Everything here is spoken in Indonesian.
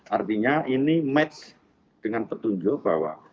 artinya ini match dengan petunjuk bahwa